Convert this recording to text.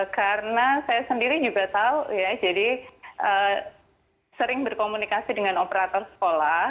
karena saya sendiri juga tahu ya jadi sering berkomunikasi dengan operator sekolah